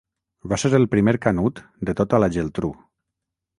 Va ser el primer Canut de tota la Geltrú.